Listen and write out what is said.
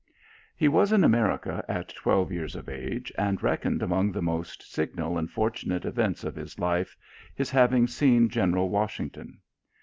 He was in America at twelve years of age, and reckons among the most signal and fortunate events of his life, his having seen General Washington.